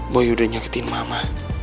boy udah nyoketin mama